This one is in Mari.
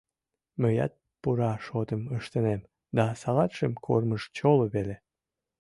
Мыят пура шотым ыштынем, да салатшат кормыж чоло веле.